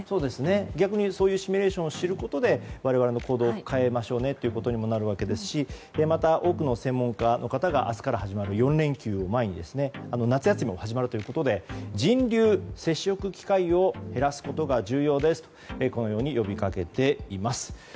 逆に、そういうシミュレーションを知ることで我々の行動も変えましょうということにもなりますしまた、多くの専門家の方が明日から始まる４連休を前に夏休みも始まるということで人流、接触機会を減らすことが重要ですとこのように呼びかけています。